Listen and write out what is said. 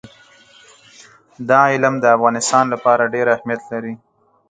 دا علم د افغانستان لپاره ډېر اهمیت لري.